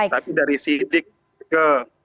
tapi dari sidik ke